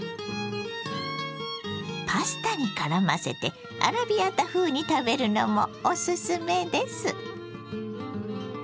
パスタにからませてアラビアータ風に食べるのもおすすめです。